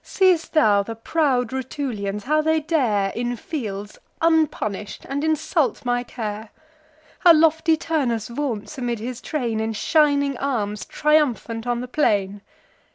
Seest thou the proud Rutulians, how they dare In fields, unpunish'd, and insult my care? How lofty Turnus vaunts amidst his train, In shining arms, triumphant on the plain?